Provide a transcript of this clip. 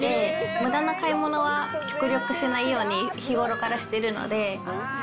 むだな買い物は、極力しないように日頃からしているので。